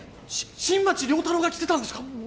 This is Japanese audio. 新町亮太郎が来てたんですか？